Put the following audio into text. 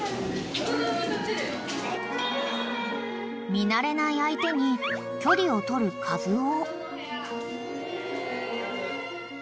［見慣れない相手に距離を取るカズオ］